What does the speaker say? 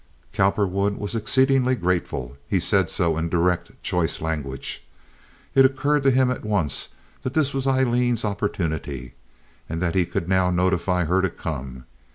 Cowperwood was exceedingly grateful. He said so in direct, choice language. It occurred to him at once that this was Aileen's opportunity, and that he could now notify her to come.